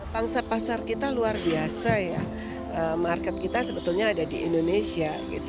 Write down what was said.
pangsa pasar kita luar biasa ya market kita sebetulnya ada di indonesia